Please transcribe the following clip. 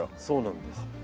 そうなんです。